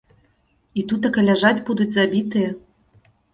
І тутака ляжаць будуць забітыя?